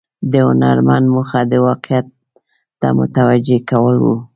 د هنرمند موخه د واقعیت ته متوجه کول و.